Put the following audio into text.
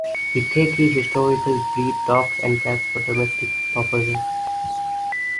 The Teke historically breed dogs and cats for domestic purposes.